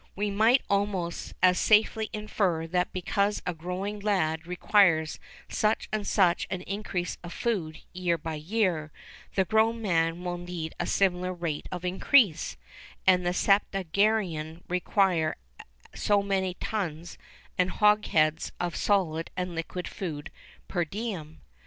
We might almost as safely infer that because a growing lad requires such and such an increase of food year by year, the grown man will need a similar rate of increase, and the septuagenarian require so many tons and hogsheads of solid and liquid food per diem.